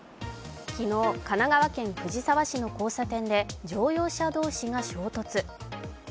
昨日、神奈川県藤沢市の交差点で乗用車同士が激突。